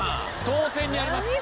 動線にあります。